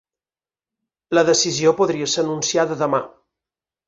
La decisió podria ser anunciada demà.